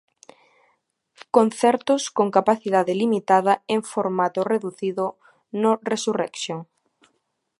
Concertos con capacidade limitada en formato reducido no Resurrection.